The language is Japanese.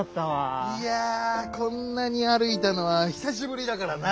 いやぁこんなにあるいたのはひさしぶりだからな。